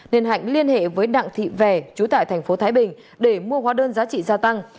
nên hạnh liên hệ với đặng thị vẻ trú tại thành phố thái bình để mua hóa đơn giá trị gia tăng